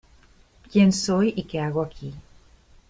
Quién soy y qué hago aquí...